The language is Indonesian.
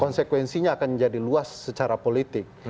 konsekuensinya akan menjadi luas secara politik